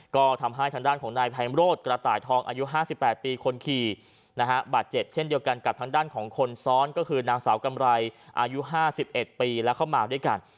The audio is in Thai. ก็ทำให้ทางด้านของนายไพมโรธกระต่ายทองอายุ๕๘ปีคนขี่นะฮะบาดเจ็บเช่นเดียวกันกับทางด้านของคนซ้อนก็คือนางสาวกำไรอายุ๕๑ปีแล้วเข้ามาด้วยกัน